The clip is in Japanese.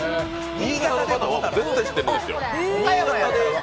新潟の方は絶対知ってるんですよ。